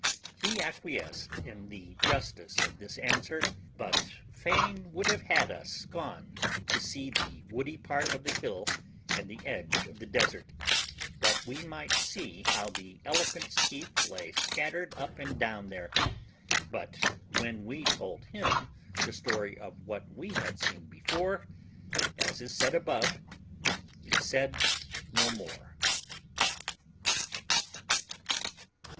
He acquiesced in the justice of this answer, but fain would have had us gone to see the woody part of the hill and the edge of the desert, that we might see how the elephants' teeth lay scattered up and down there; but when we told him the story of what we had seen before, as is said above, he said no more.